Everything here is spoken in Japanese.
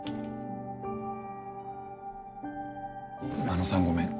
真野さんごめん。